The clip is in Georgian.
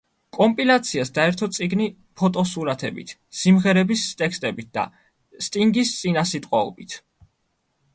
კომპილაციას დაერთო წიგნი ფოტოსურათებით, სიმღერების ტექსტებით და სტინგის წინასიტყვაობით.